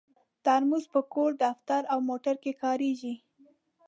ترموز په کور، دفتر او موټر کې کارېږي.